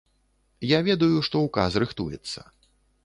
Я ведаю, што ўказ рыхтуецца.